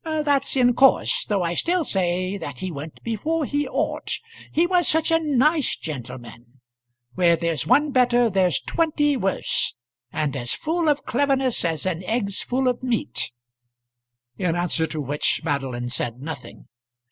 "That's in course, though I still say that he went before he ought. He was such a nice gentleman. Where there's one better, there's twenty worse; and as full of cleverness as an egg's full of meat." In answer to which Madeline said nothing.